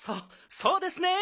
そうですね。